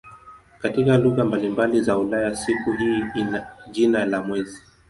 Katika lugha mbalimbali za Ulaya siku hii ina jina la "mwezi".